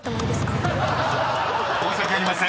［申し訳ありません］